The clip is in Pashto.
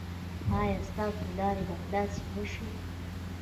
ایا ستاسو لارې به خلاصې نه شي؟